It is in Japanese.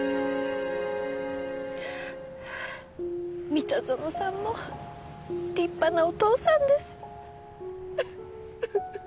三田園さんも立派なお父さんです。